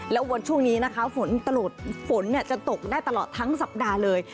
แล้ววันช่วงนี้นะคะฝนตะโหลดฝนเนี่ยจะตกได้ตลอดทั้งสัปดาห์เลย